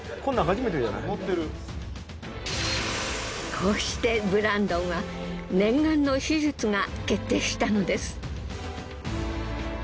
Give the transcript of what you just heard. こうしてブランドンは念願の手術が決定したのです。